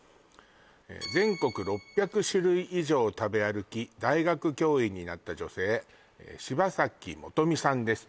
全国６００種類以上食べ歩き大学教員になった女性芝崎本実さんです